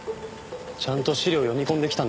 ちゃんと資料読み込んできたんですね。